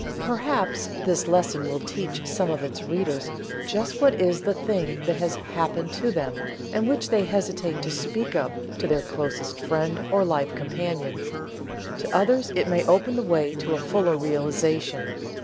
Perhaps this lesson will tell some of its readers just what is the thing that has "happened" to them and which they hesitate to speak of to their closest friend or life companion. To others it may open the way to a fuller realization.